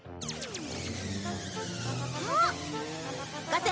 あっ！